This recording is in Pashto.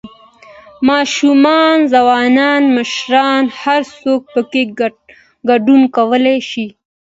، ماشومان، ځوانان، مشران هر څوک پکې ګډون کولى شي